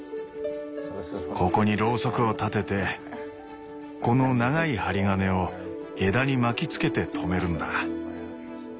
ここにロウソクを立ててこの長い針金を枝に巻きつけて留めるんだ。